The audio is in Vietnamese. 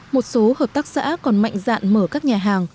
một số hợp tác xã còn mạnh dạn mở các nhà hàng